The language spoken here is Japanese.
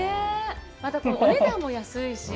またお値段も安いし。